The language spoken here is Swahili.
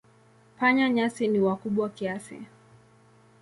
Panya-nyasi ni wakubwa kiasi.